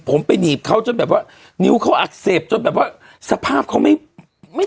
ผมไปหนีบเขาจนแบบว่านิ้วเขาอักเสบจนแบบว่าสภาพเขาไม่ไม่